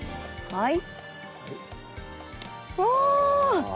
はい。